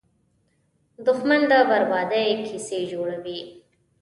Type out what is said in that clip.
دښمن د بربادۍ کیسې جوړوي